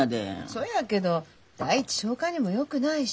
そやけど第一消化にもよくないし。